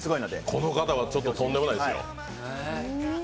この方は、ちょっととんでもないですよ。